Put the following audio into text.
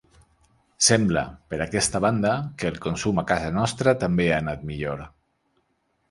Sembla, per aquesta banda, que el consum a casa nostra també ha anat millor.